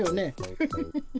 フフフフ。